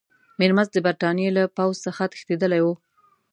میرمست د برټانیې له پوځ څخه تښتېدلی وو.